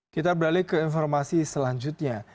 kita beralih ke informasi selanjutnya